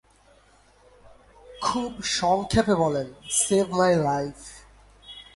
খুব সংক্ষেপে বলেন "সেভ মাই লাইফ"।